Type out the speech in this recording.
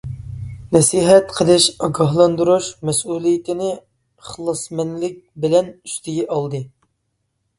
نەسىھەت قىلىش، ئاگاھلاندۇرۇش مەسئۇلىيىتىنى ئىخلاسمەنلىك بىلەن ئۈستىگە ئالدى.